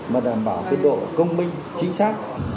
mà đảm bảo cái độ công minh chính xác